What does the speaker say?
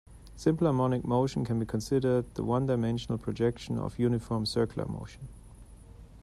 Simple harmonic motion can be considered the one-dimensional projection of uniform circular motion.